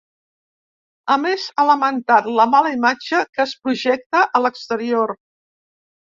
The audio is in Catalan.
A més, ha lamentat la ‘mala imatge que es projecta’ a l’exterior.